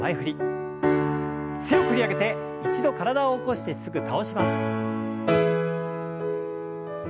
強く振り上げて一度体を起こしてすぐ倒します。